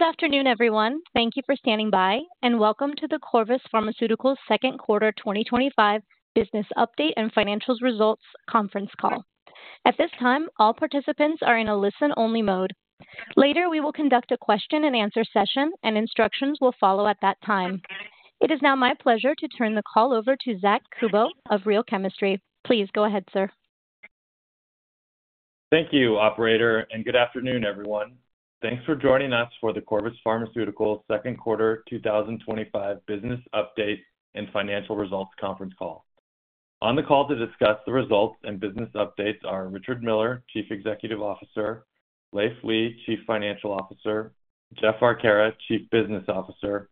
Good afternoon, everyone. Thank you for standing by, and welcome to the Corvus Pharmaceuticals Second Quarter 2025 Business Update and Financial Results Conference Call. At this time, all participants are in a listen-only mode. Later, we will conduct a question and answer session, and instructions will follow at that time. It is now my pleasure to turn the call over to Zack Kubow of Real Chemistry. Please go ahead, sir. Thank you, operator, and good afternoon, everyone. Thanks for joining us for the Corvus Pharmaceuticals' Second Quarter 2025 Business Update and Financial Results Conference Call. On the call to discuss the results and business updates are Richard Miller, Chief Executive Officer; Leiv Lea, Chief Financial Officer; Jeff Arcara, Chief Business Officer;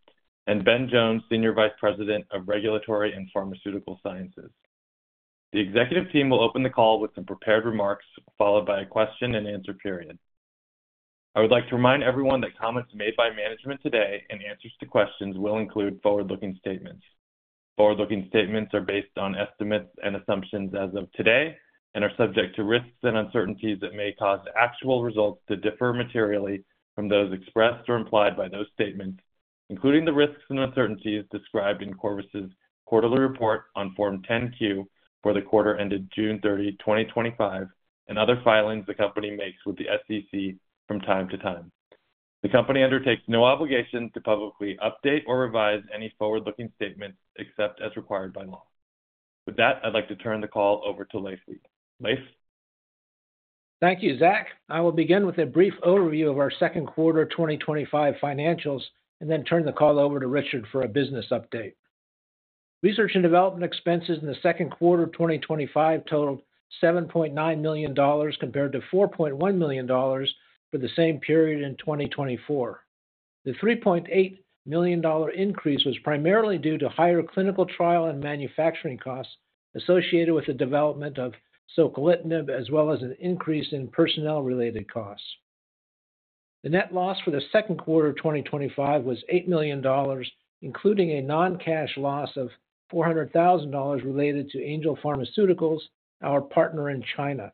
and Ben Jones, Senior Vice President of Regulatory and Pharmaceutical Sciences. The executive team will open the call with some prepared remarks, followed by a question and answer period. I would like to remind everyone that comments made by management today and answers to questions will include forward-looking statements. Forward-looking statements are based on estimates and assumptions as of today and are subject to risks and uncertainties that may cause actual results to differ materially from those expressed or implied by those statements, including the risks and uncertainties described in Corvus's quarterly report on Form 10-Q for the quarter ended June 30, 2025, and other filings the company makes with the SEC from time to time. The company undertakes no obligation to publicly update or revise any forward-looking statements except as required by law. With that, I'd like to turn the call over to Leiv Lea. Leiv? Thank you, Zack. I will begin with a brief overview of our second quarter 2025 financials and then turn the call over to Richard for a business update. Research and development expenses in the second quarter of 2025 totaled $7.9 million, compared to $4.1 million for the same period in 2024. The $3.8 million increase was primarily due to higher clinical trial and manufacturing costs associated with the development of socolitinib, as well as an increase in personnel-related costs. The net loss for the second quarter of 2025 was $8 million, including a non-cash loss of $400,000 related to Angel Pharmaceuticals, our partner in China.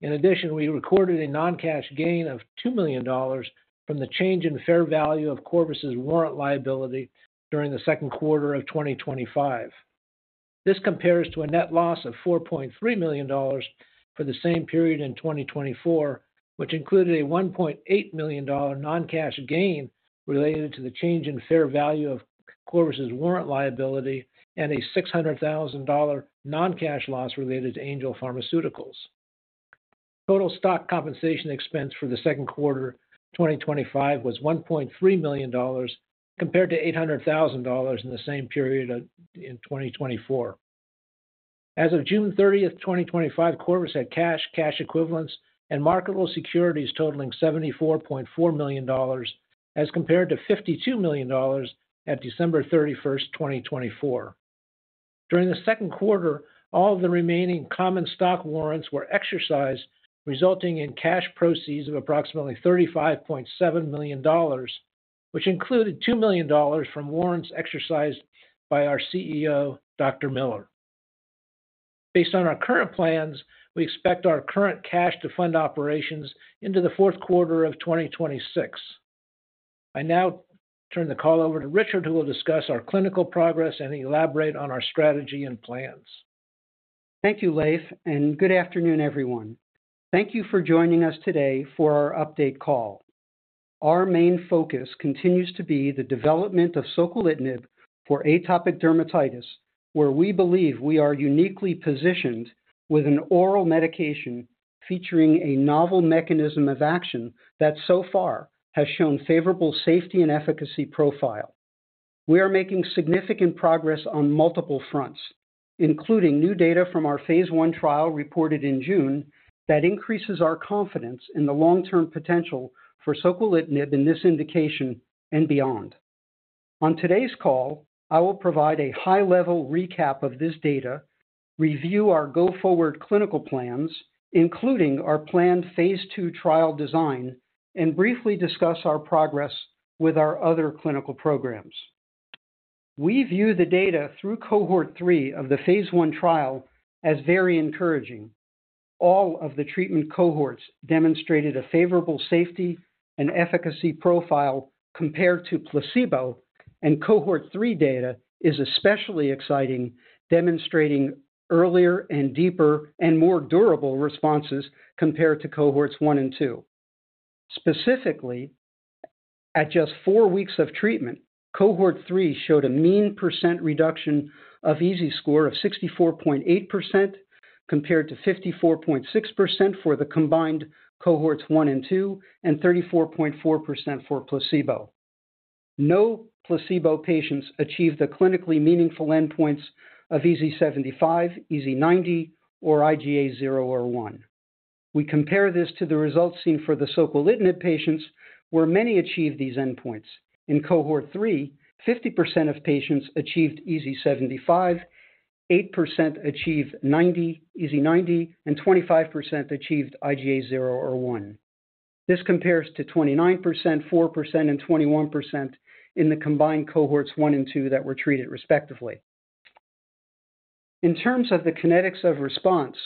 In addition, we recorded a non-cash gain of $2 million from the change in fair value of Corvus's warrant liability during the second quarter of 2025. This compares to a net loss of $4.3 million for the same period in 2024, which included a $1.8 million non-cash gain related to the change in fair value of Corvus's warrant liability and a $600,000 non-cash loss related to Angel Pharmaceuticals. Total stock compensation expense for the second quarter 2025 was $1.3 million, compared to $800,000 in the same period in 2024. As of June 30th, 2025, Corvus had cash, cash equivalents, and marketable securities totaling $74.4 million, as compared to $52 million at December 31st, 2024. During the second quarter, all of the remaining common stock warrants were exercised, resulting in cash proceeds of approximately $35.7 million, which included $2 million from warrants exercised by our CEO, Dr. Miller. Based on our current plans, we expect our current cash to fund operations into the fourth quarter of 2026. I now turn the call over to Richard, who will discuss our clinical progress and elaborate on our strategy and plans. Thank you, Leiv, and good afternoon, everyone. Thank you for joining us today for our update call. Our main focus continues to be the development of socolitinib for atopic dermatitis, where we believe we are uniquely positioned with an oral medication featuring a novel mechanism of action that so far has shown favorable safety and efficacy profiles. We are making significant progress on multiple fronts, including new data from our phase I trial reported in June that increases our confidence in the long-term potential for socolitinib in this indication and beyond. On today's call, I will provide a high-level recap of this data, review our go-forward clinical plans, including our planned phase II trial design, and briefly discuss our progress with our other clinical programs. We view the data through cohort three of the phase I trial as very encouraging. All of the treatment cohorts demonstrated a favorable safety and efficacy profile compared to placebo, and cohort three data is especially exciting, demonstrating earlier and deeper and more durable responses compared to cohorts one and two. Specifically, at just four weeks of treatment, cohort three showed a mean percent reduction of EASI score of 64.8% compared to 54.6% for the combined cohorts one and two, and 34.4% for placebo. No placebo patients achieved the clinically meaningful endpoints of EASI 75, EASI 90, or IGA 0 or 1. We compare this to the results seen for the socolitinib patients, where many achieved these endpoints. In cohort three, 50% of patients achieved EASI 75, 8% achieved EASI 90, and 25% achieved IGA 0 or 1. This compares to 29%, 4%, and 21% in the combined cohorts one and two that were treated respectively. In terms of the kinetics of response,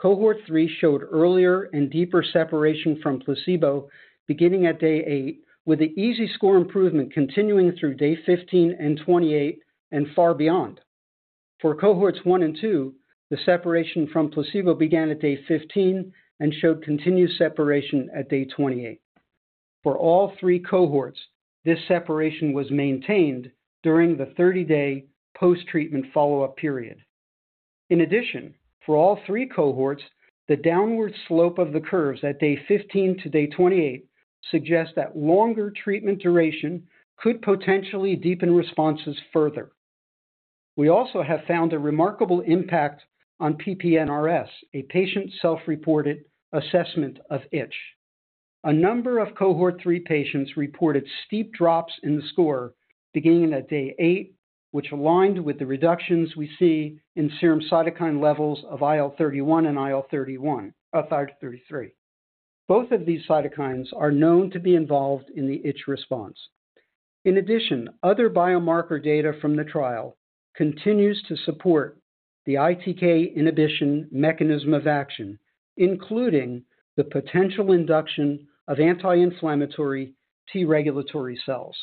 cohort three showed earlier and deeper separation from placebo beginning at day eight, with the EASI score improvement continuing through day 15 and 28 and far beyond. For cohorts one and two, the separation from placebo began at day 15 and showed continued separation at day 28. For all three cohorts, this separation was maintained during the 30-day post-treatment follow-up period. In addition, for all three cohorts, the downward slope of the curves at day 15 to day 28 suggests that longer treatment duration could potentially deepen responses further. We also have found a remarkable impact on PPNRS, a patient self-reported assessment of itch. A number of cohort three patients reported steep drops in the score beginning at day eight, which aligned with the reductions we see in serum cytokine levels of IL-31 and IL-33. Both of these cytokines are known to be involved in the itch response. In addition, other biomarker data from the trial continues to support the ITK inhibition mechanism of action, including the potential induction of anti-inflammatory T-regulatory cells.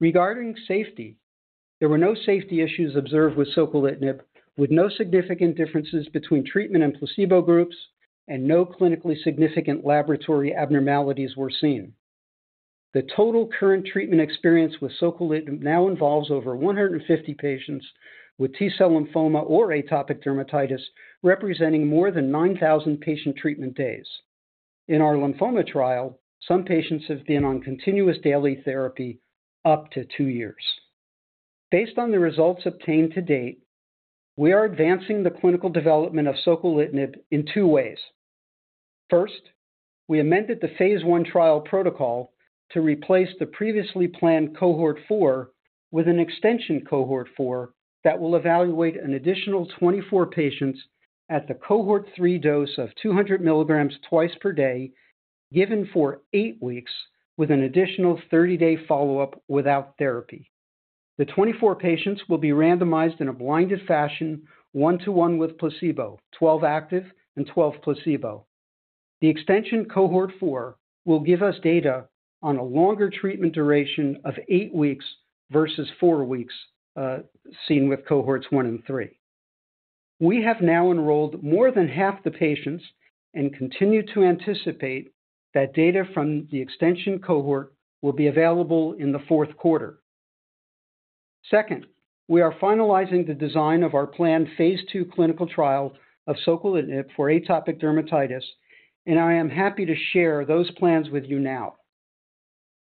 Regarding safety, there were no safety issues observed with socolitinib, with no significant differences between treatment and placebo groups, and no clinically significant laboratory abnormalities were seen. The total current treatment experience with socolitinib now involves over 150 patients with T-cell lymphoma or atopic dermatitis, representing more than 9,000 patient treatment days. In our lymphoma trial, some patients have been on continuous daily therapy up to two years. Based on the results obtained to date, we are advancing the clinical development of socolitinib in two ways. First, we amended the phase I trial protocol to replace the previously planned cohort four with an extension cohort four that will evaluate an additional 24 patients at the cohort three dose of 200 mg twice per day, given for eight weeks, with an additional 30-day follow-up without therapy. The 24 patients will be randomized in a blinded fashion, one-to-one with placebo, 12 active and 12 placebo. The extension cohort four will give us data on a longer treatment duration of eight weeks versus four weeks, seen with cohorts one and three. We have now enrolled more than half the patients and continue to anticipate that data from the extension cohort will be available in the fourth quarter. Second, we are finalizing the design of our planned phase II clinical trial of socolitinib for atopic dermatitis, and I am happy to share those plans with you now.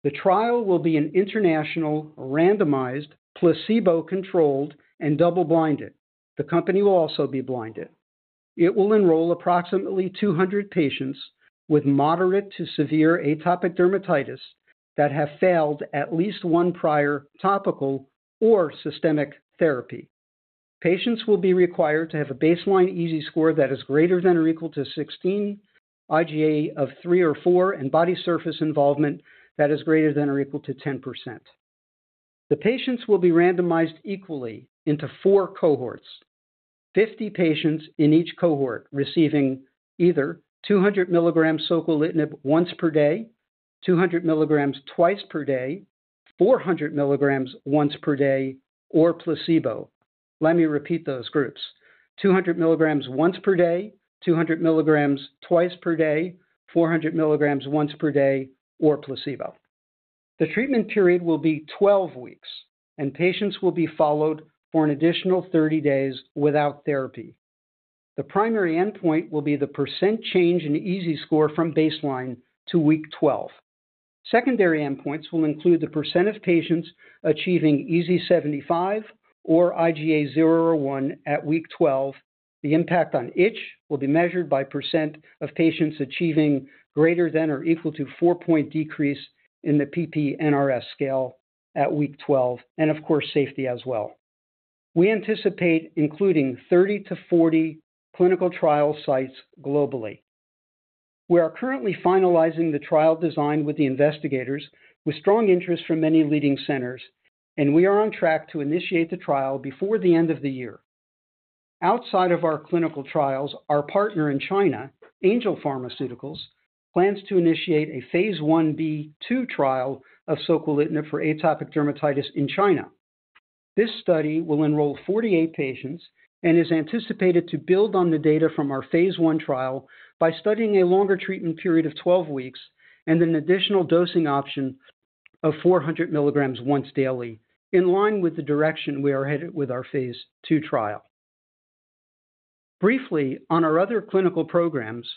The trial will be an international, randomized, placebo-controlled, and double-blinded. The company will also be blinded. It will enroll approximately 200 patients with moderate to severe atopic dermatitis that have failed at least one prior topical or systemic therapy. Patients will be required to have a baseline EASI score that is greater than or equal to 16, IGA of 3 or 4, and body surface involvement that is greater than or equal to 10%. The patients will be randomized equally into four cohorts, 50 patients in each cohort receiving either 200 mg socolitinib once per day, 200 mg twice per day, 400 mg once per day, or placebo. Let me repeat those groups: 200 mg once per day, 200 mg twice per day, 400 mg once per day, or placebo. The treatment period will be 12 weeks, and patients will be followed for an additional 30 days without therapy. The primary endpoint will be the percent change in EASI score from baseline to week 12. Secondary endpoints will include the percent of patients achieving EASI 75 or IGA 0 or 1 at week 12. The impact on itch will be measured by percent of patients achieving greater than or equal to a four-point decrease in the PPNRS scale at week 12, and, of course, safety as well. We anticipate including 30-40 clinical trial sites globally. We are currently finalizing the trial design with the investigators, with strong interest from many leading centers, and we are on track to initiate the trial before the end of the year. Outside of our clinical trials, our partner in China, Angel Pharmaceuticals, plans to initiate a phase I-B/II trial of socolitinib for atopic dermatitis in China. This study will enroll 48 patients and is anticipated to build on the data from our phase I trial by studying a longer treatment period of 12 weeks and an additional dosing option of 400 mg once daily, in line with the direction we are headed with our phase II trial. Briefly, on our other clinical programs,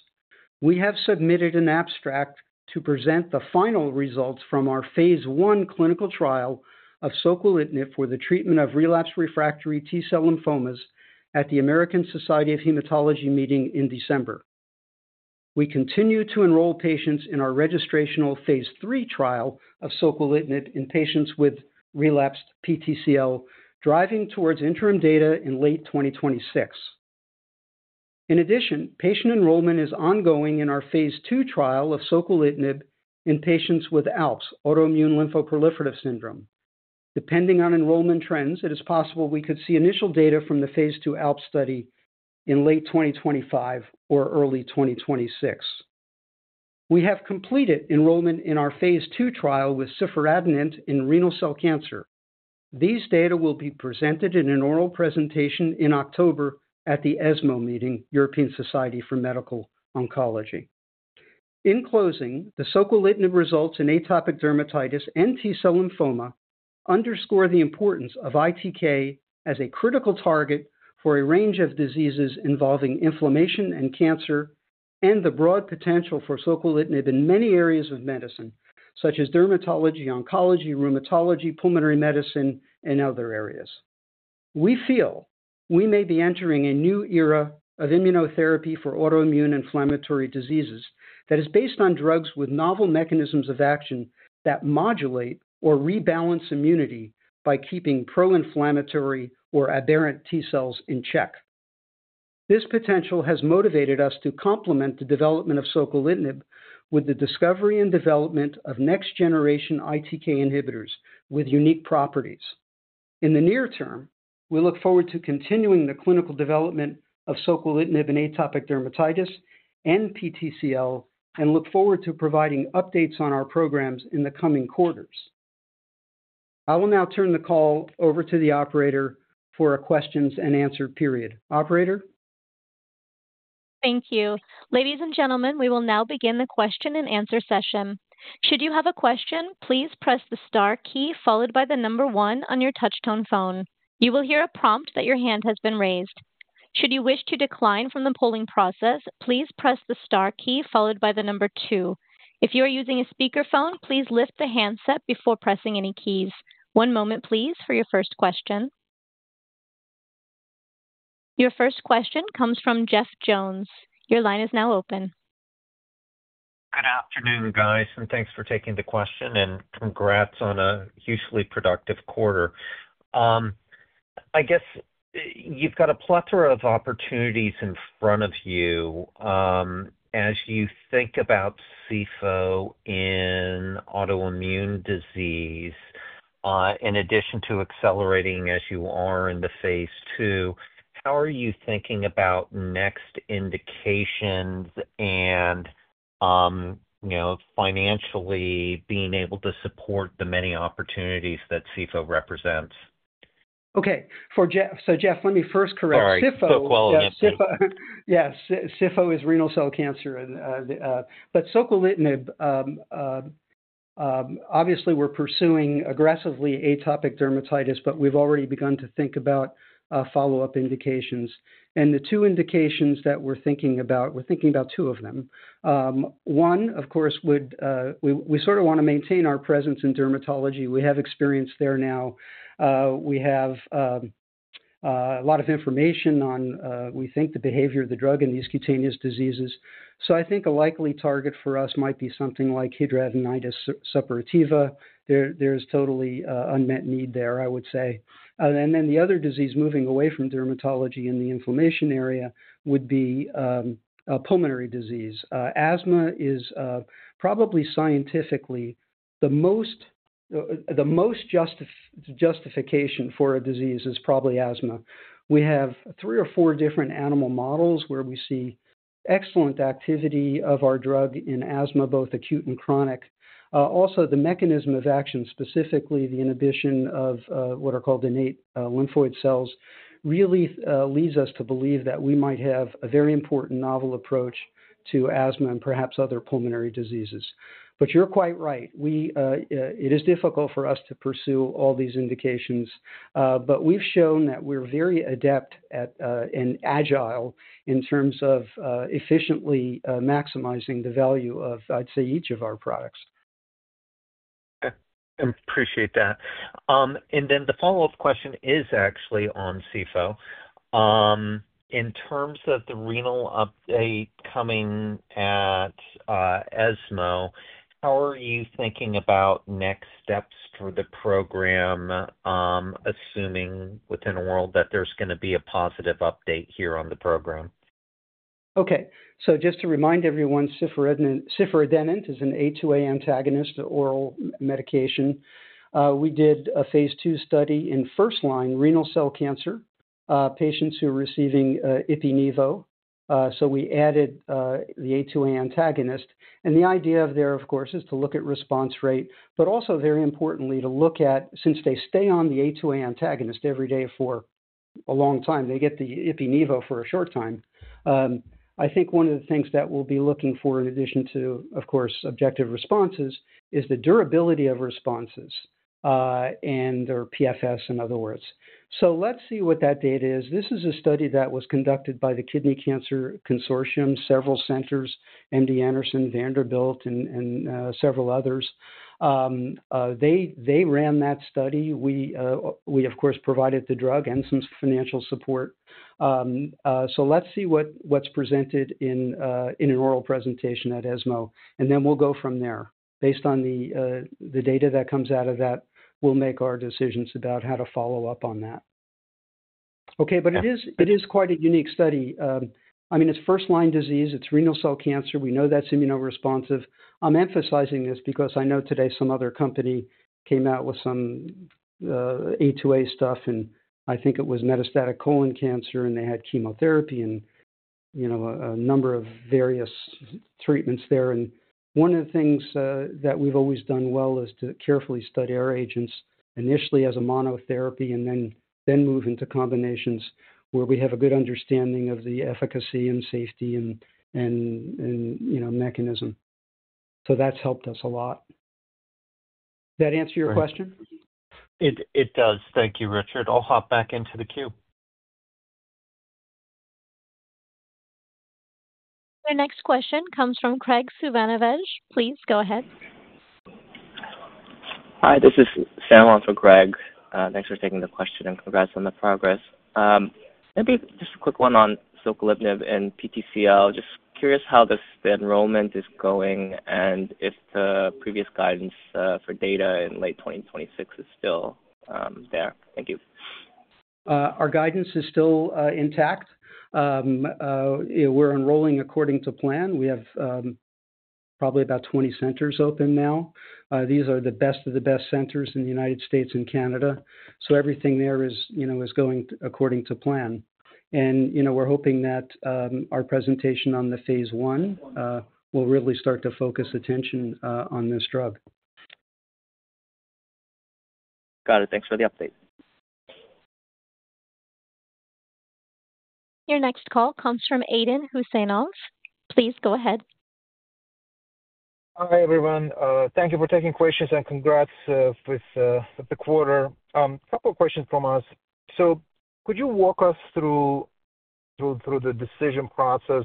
we have submitted an abstract to present the final results from our phase I clinical trial of socolitinib for the treatment of relapsed refractory T-cell lymphomas at the American Society of Hematology meeting in December. We continue to enroll patients in our registrational phase III trial of socolitinib in patients with relapsed PTCL, driving towards interim data in late 2026. In addition, patient enrollment is ongoing in our phase II trial of socolitinib in patients with ALPS, Autoimmune Lymphoproliferative Syndrome. Depending on enrollment trends, it is possible we could see initial data from the phase II ALPS study in late 2025 or early 2026. We have completed enrollment in our phase II trial with ciforadenant in renal cell cancer. These data will be presented in an oral presentation in October at the ESMO meeting, European Society for Medical Oncology. In closing, the socolitinib results in atopic dermatitis and T-cell lymphoma underscore the importance of ITK as a critical target for a range of diseases involving inflammation and cancer, and the broad potential for socolitinib in many areas of medicine, such as dermatology, oncology, rheumatology, pulmonary medicine, and other areas. We feel we may be entering a new era of immunotherapy for autoimmune inflammatory diseases that is based on drugs with novel mechanisms of action that modulate or rebalance immunity by keeping pro-inflammatory or aberrant T-cells in check. This potential has motivated us to complement the development of socolitinib with the discovery and development of next-generation ITK inhibitors with unique properties. In the near term, we look forward to continuing the clinical development of socolitinib in atopic dermatitis and PTCL and look forward to providing updates on our programs in the coming quarters. I will now turn the call over to the operator for a question and answer period. Operator? Thank you. Ladies and gentlemen, we will now begin the question and answer session. Should you have a question, please press the star key followed by the number one on your touch-tone phone. You will hear a prompt that your hand has been raised. Should you wish to decline from the polling process, please press the star key followed by the number two. If you are using a speaker phone, please lift the handset before pressing any keys. One moment, please, for your first question. Your first question comes from Jeff [Jones]. Your line is now open. Good afternoon, guys, and thanks for taking the question and congrats on a hugely productive quarter. I guess you've got a plethora of opportunities in front of you. As you think about socolitinib in autoimmune disease, in addition to accelerating as you are in the phase two, how are you thinking about next indications and financially being able to support the many opportunities that cifo represents? Okay. For Jeff, let me first correct, cifo. Sorry, quote quality. Yeah, cifo is renal cell carcinoma. Socolitinib, obviously, we're pursuing aggressively atopic dermatitis, but we've already begun to think about follow-up indications. The two indications that we're thinking about, we're thinking about two of them. One, of course, would be we sort of want to maintain our presence in dermatology. We have experience there now. We have a lot of information on, we think, the behavior of the drug in these cutaneous diseases. I think a likely target for us might be something like hidradenitis suppurativa. There's totally unmet need there, I would say. The other disease, moving away from dermatology in the inflammation area, would be pulmonary disease. Asthma is probably scientifically the most justification for a disease is probably asthma. We have three or four different animal models where we see excellent activity of our drug in asthma, both acute and chronic. Also, the mechanism of action, specifically the inhibition of what are called innate lymphoid cells, really leads us to believe that we might have a very important novel approach to asthma and perhaps other pulmonary diseases. You're quite right. It is difficult for us to pursue all these indications, but we've shown that we're very adept and agile in terms of efficiently maximizing the value of, I'd say, each of our products. I appreciate that. The follow-up question is actually on cifo. In terms of the renal update coming at ESMO, how are you thinking about next steps for the program, assuming within a world that there's going to be a positive update here on the program? Okay. Just to remind everyone, ciforadenant is an A2A antagonist oral medication. We did a phase II study in first-line renal cell cancer patients who are receiving ipi/nivo. We added the A2A antagonist. The idea there, of course, is to look at response rate, but also very importantly to look at, since they stay on the A2A antagonist every day for a long time, they get the ipi/nivo for a short time. I think one of the things that we'll be looking for, in addition to, of course, objective responses, is the durability of responses and their PFS, in other words. Let's see what that data is. This is a study that was conducted by the Kidney Cancer Consortium, several centers, MD Anderson, Vanderbilt, and several others. They ran that study. We, of course, provided the drug and some financial support. Let's see what's presented in an oral presentation at ESMO, and then we'll go from there. Based on the data that comes out of that, we'll make our decisions about how to follow up on that. It is quite a unique study. I mean, it's first-line disease. It's renal cell cancer. We know that's immunoresponsive. I'm emphasizing this because I know today some other company came out with some A2A stuff, and I think it was metastatic colon cancer, and they had chemotherapy and a number of various treatments there. One of the things that we've always done well is to carefully study our agents initially as a monotherapy and then move into combinations where we have a good understanding of the efficacy and safety and mechanism. That's helped us a lot. Does that answer your question? It does. Thank you, Richard. I'll hop back into the queue. Our next question comes from Craig Suvannavejh. Please go ahead. Hi, this is Sam, on for Craig. Thanks for taking the question and congrats on the progress. Maybe just a quick one on socolitinib and PTCL. Just curious how the enrollment is going and if the previous guidance for data in late 2026 is still there. Thank you. Our guidance is still intact. We're enrolling according to plan. We have probably about 20 centers open now. These are the best of the best centers in the United States and Canada. Everything there is going according to plan. We're hoping that our presentation on the phase one will really start to focus attention on this drug. Got it. Thanks for the update. Your next call comes from Aydin Huseynov. Please go ahead. Hi, everyone. Thank you for taking questions and congrats with the quarter. A couple of questions from us. Could you walk us through the decision process,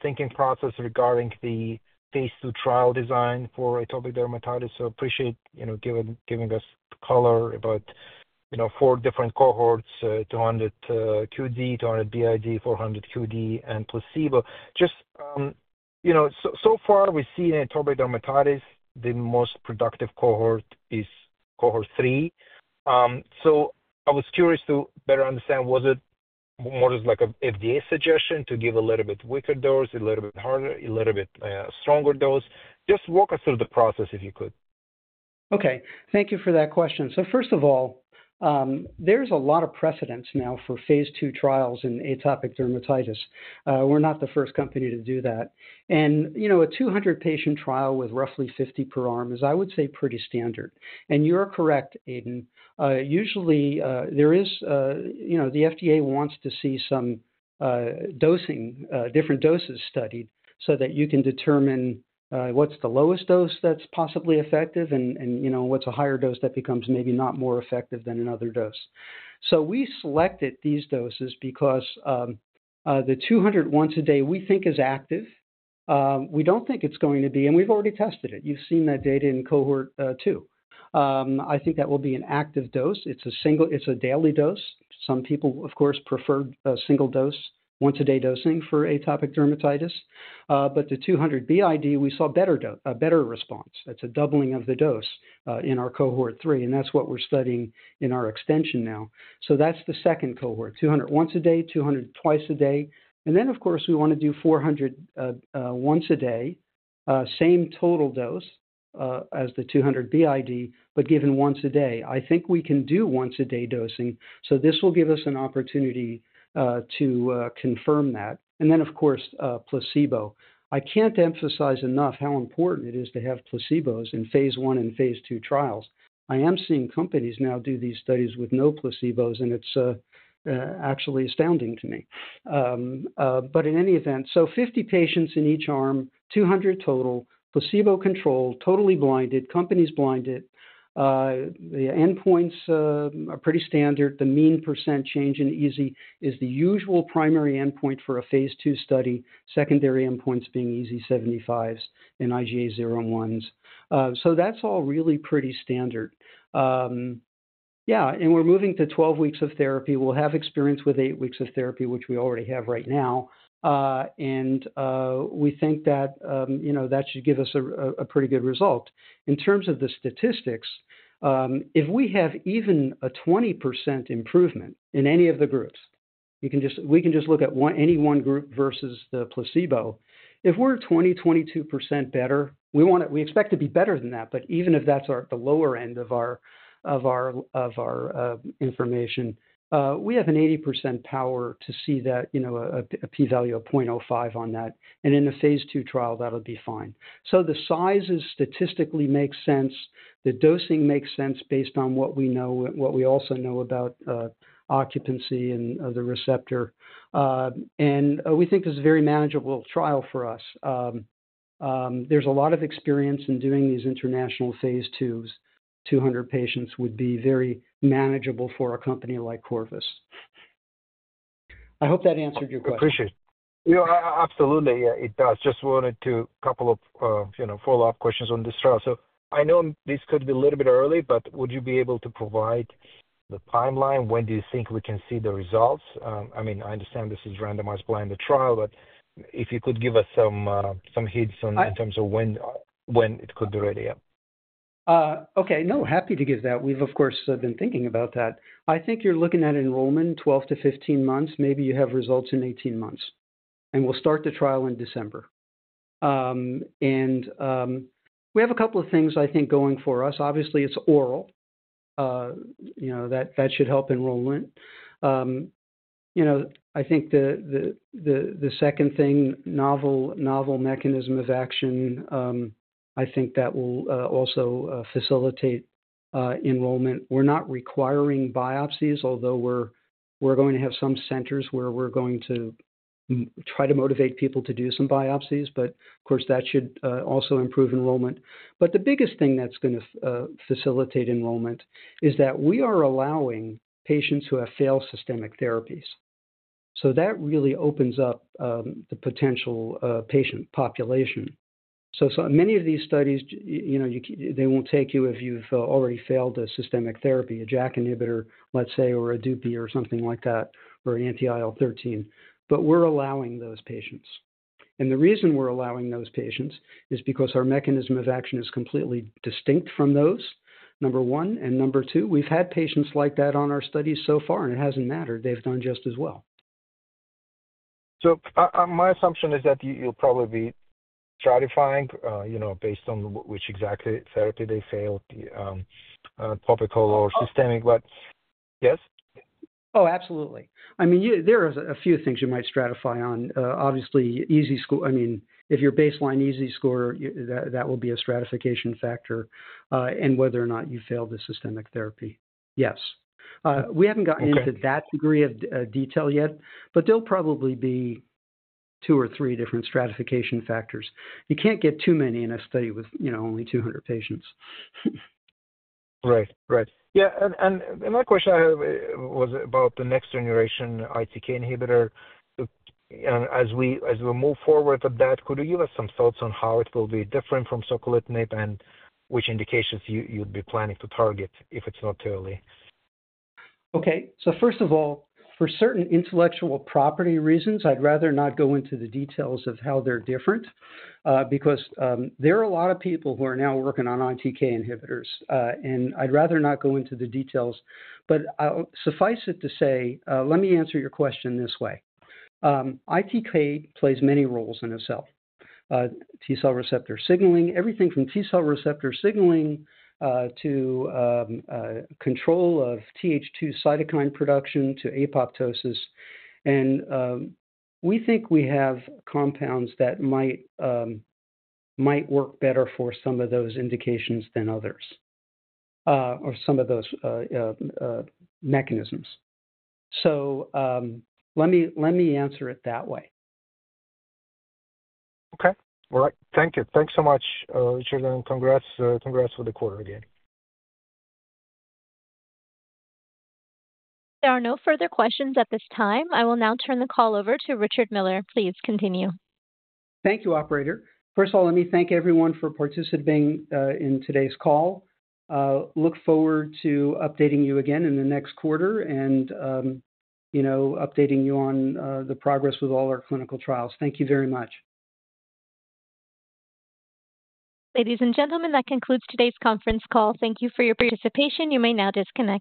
thinking process regarding the phase two trial design for atopic dermatitis? I appreciate you giving us the color about four different cohorts: 200 QD, 200 BID, 400 QD, and placebo. Just, you know, so far we see in atopic dermatitis the most productive cohort is cohort three. I was curious to better understand, was it more just like an FDA suggestion to give a little bit weaker dose, a little bit harder, a little bit stronger dose? Walk us through the process if you could. Okay. Thank you for that question. First of all, there's a lot of precedence now for phase two trials in atopic dermatitis. We're not the first company to do that. A 200-patient trial with roughly 50 per arm is, I would say, pretty standard. You're correct, Aydin. Usually, the FDA wants to see some dosing, different doses studied so that you can determine what's the lowest dose that's possibly effective and what's a higher dose that becomes maybe not more effective than another dose. We selected these doses because the 200 once a day we think is active. We don't think it's going to be, and we've already tested it. You've seen that data in cohort two. I think that will be an active dose. It's a single, it's a daily dose. Some people, of course, prefer a single dose, once-a-day dosing for atopic dermatitis. The 200 BID, we saw a better response. That's a doubling of the dose in our cohort three, and that's what we're studying in our extension now. That's the second cohort: 200 once a day, 200 twice a day. We want to do 400 once a day, same total dose as the 200 BID, but given once a day. I think we can do once-a-day dosing. This will give us an opportunity to confirm that. Placebo is important. I can't emphasize enough how important it is to have placebos in phase one and phase two trials. I am seeing companies now do these studies with no placebos, and it's actually astounding to me. In any event, 50 patients in each arm, 200 total, placebo control, totally blinded, companies blinded. The endpoints are pretty standard. The mean percent change in EASI is the usual primary endpoint for a phase II study, secondary endpoints being EASI 75s and IGA 01s. That's all really pretty standard. We're moving to 12 weeks of therapy. We'll have experience with eight weeks of therapy, which we already have right now. We think that should give us a pretty good result. In terms of the statistics, if we have even a 20% improvement in any of the groups, we can just look at any one group versus the placebo. If we're 20%-22% better, we expect to be better than that, but even if that's the lower end of our information, we have an 80% power to see that, a p-value of 0.05 on that. In a phase two trial, that'll be fine. The sizes statistically make sense. The dosing makes sense based on what we know and what we also know about occupancy and the receptor. We think this is a very manageable trial for us. There is a lot of experience in doing these international phase twos. 200 patients would be very manageable for a company like Corvus. I hope that answered your question. Appreciate it. Absolutely. Yeah, it does. Just wanted to ask a couple of follow-up questions on this trial. I know this could be a little bit early, but would you be able to provide the timeline? When do you think we can see the results? I mean, I understand this is a randomized blinded trial, but if you could give us some hints in terms of when it could be ready. Okay. No, happy to give that. We've, of course, been thinking about that. I think you're looking at enrollment 12-15 months. Maybe you have results in 18 months. We'll start the trial in December. We have a couple of things I think going for us. Obviously, it's oral. That should help enrollment. I think the second thing, novel mechanism of action, I think that will also facilitate enrollment. We're not requiring biopsies, although we're going to have some centers where we're going to try to motivate people to do some biopsies. Of course, that should also improve enrollment. The biggest thing that's going to facilitate enrollment is that we are allowing patients who have failed systemic therapies. That really opens up the potential patient population. Many of these studies, they won't take you if you've already failed a systemic therapy, a JAK inhibitor, let's say, or a DUPI or something like that, or an anti-IL-13. We're allowing those patients. The reason we're allowing those patients is because our mechanism of action is completely distinct from those, number one. Number two, we've had patients like that on our studies so far, and it hasn't mattered. They've done just as well. My assumption is that you'll probably be stratifying, you know, based on which exactly therapy they failed, topical or systemic, but yes? Oh, absolutely. I mean, there are a few things you might stratify on. Obviously, EASI score, I mean, if your baseline EASI score, that will be a stratification factor and whether or not you failed the systemic therapy. Yes, we haven't gotten into that degree of detail yet, but there'll probably be two or three different stratification factors. You can't get too many in a study with only 200 patients. Right. My question I have was about the next generation ITK inhibitor. As we move forward with that, could you give us some thoughts on how it will be different from socolitinib and which indications you'd be planning to target if it's not too early? Okay. First of all, for certain intellectual property reasons, I'd rather not go into the details of how they're different because there are a lot of people who are now working on ITK inhibitors, and I'd rather not go into the details. Suffice it to say, let me answer your question this way. ITK plays many roles in itself: T-cell receptor signaling, everything from T-cell receptor signaling to control of TH2 cytokine production to apoptosis. We think we have compounds that might work better for some of those indications than others or some of those mechanisms. Let me answer it that way. Okay. All right. Thank you. Thanks so much, Richard Miller. Congrats for the quarter again. There are no further questions at this time. I will now turn the call over to Dr. Richard Miller. Please continue. Thank you, operator. First of all, let me thank everyone for participating in today's call. I look forward to updating you again in the next quarter and updating you on the progress with all our clinical trials. Thank you very much. Ladies and gentlemen, that concludes today's conference call. Thank you for your participation. You may now disconnect.